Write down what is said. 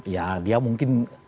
ya dia mungkin